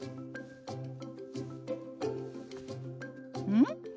うん？